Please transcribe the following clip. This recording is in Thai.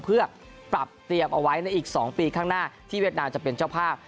เพื่อปรับเตรียมเอาไว้ในอีก๒ปีข้างหน้าที่เวียดนามจะเป็นเจ้าภาพ